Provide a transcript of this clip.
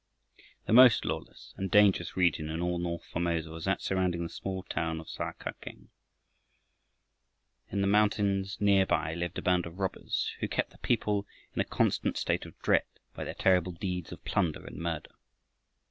The most lawless and dangerous region in all north Formosa was that surrounding the small town of Sa kak eng. In the mountains near by lived a band of robbers who kept the people in a constant state of dread by their terrible deeds of plunder and murder.